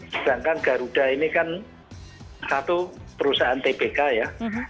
sedangkan garuda ini kan satu perusahaan tpk ya